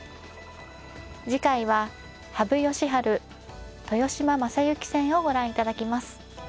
次回は羽生善治豊島将之戦をご覧いただきます。